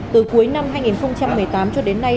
từ cuối năm hai nghìn một mươi tám cho đến nay